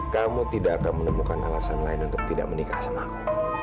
kamu tidak akan menemukan alasan lain untuk tidak menikah samaku